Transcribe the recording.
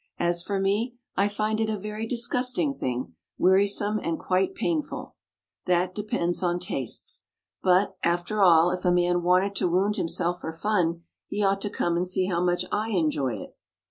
As for me, I find it a very disgusting thing, wearisome and quite painful. That depends on tastes. But, after all, if a man wanted to wound himself for fun, he ought to come and see how much I enjoy it."